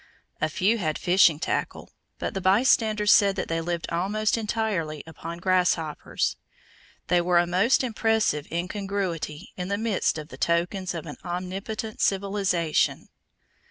A few had fishing tackle, but the bystanders said that they lived almost entirely upon grasshoppers. They were a most impressive incongruity in the midst of the tokens of an omnipotent civilization.